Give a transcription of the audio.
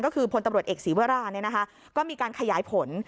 ก็คือพลตำรวจเอกศีวราก็มีการขยายผล